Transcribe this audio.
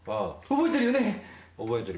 覚えてるよ。